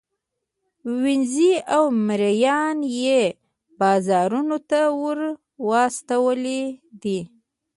وینزې او مرییان یې بازارانو ته وروستلي دي.